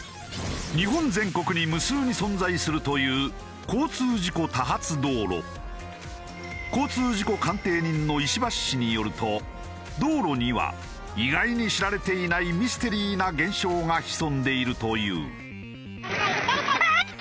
日本全国に無数に存在するという交通事故鑑定人の石橋氏によると道路には意外に知られていないミステリーな現象が潜んでいるという。